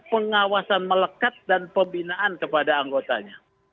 pengawasan melekat dan pembinaan kepada anggotanya